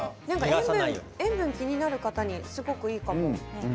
塩分が気になる方にすごくいいかも。